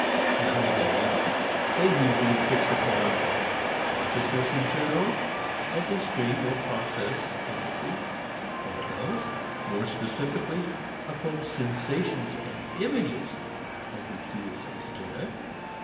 Nowadays they usually fix upon consciousness in general, as a stream or process or entity; or else, more specifically upon sensations and images as the tools of intellect.